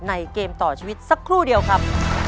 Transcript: เกมต่อชีวิตสักครู่เดียวครับ